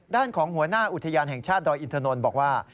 ด้านของหัวหน้าอุทยานแห่งชาติดอยอินทนนท์บอกว่า